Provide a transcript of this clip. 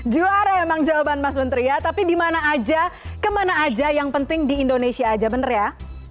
juara emang jawaban mas menteri ya tapi dimana aja kemana aja yang penting di indonesia aja bener ya